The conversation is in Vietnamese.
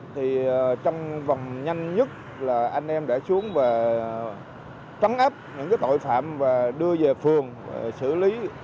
thì trong vòng nhanh nhất là anh em đã xuống và trắng ấp những tội phạm và đưa về phường xử lý